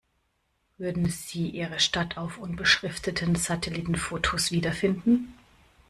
Würden Sie Ihre Stadt auf unbeschrifteten Satellitenfotos wiederfinden?